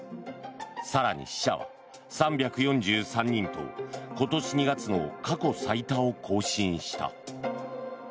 更に死者は３４３人と今年２月の過去最多を更新した。